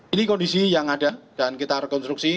ini kondisi yang ada dan kita rekonstruksi